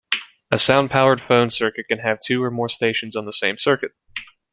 A sound-powered phone circuit can have two or more stations on the same circuit.